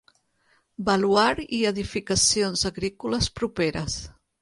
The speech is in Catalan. Baluard i edificacions agrícoles properes.